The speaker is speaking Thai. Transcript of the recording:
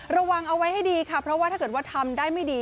ระวังเอาไว้ให้ดีค่ะเพราะว่าถ้าเกิดว่าทำได้ไม่ดี